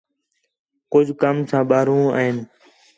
کُج کم ساں ٻاہرو این